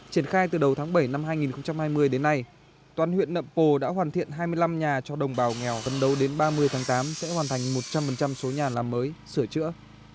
triển khai từ đầu tháng bảy năm hai nghìn hai mươi đến nay toàn huyện nậm pồ đã hoàn thiện hai mươi năm nhà cho đồng bào nghèo gần đâu đến ba mươi tháng tám sẽ hoàn thành một trăm linh số nhà làm mới sửa chữa